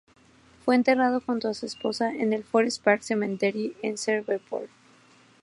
Fue enterrado junto a su esposa en el Forest Park Cemetery en Shreveport.